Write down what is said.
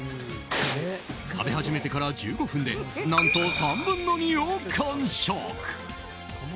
食べ始めてから１５分で何と３分の２を完食。